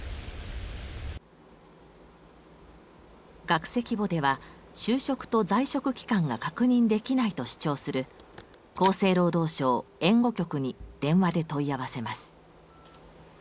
学籍簿では就職と在職期間が確認できないと主張する厚生労働省・援護局に電話で問い合わせます。